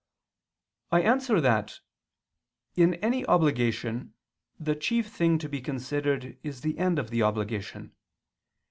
I answer that, In any obligation the chief thing to be considered is the end of the obligation.